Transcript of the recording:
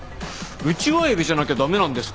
ウチワエビじゃなきゃ駄目なんですか？